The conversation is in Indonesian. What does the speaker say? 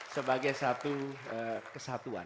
sebagai satu kesatuan